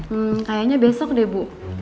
hmm kayaknya besok deh bu